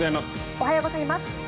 おはようございます。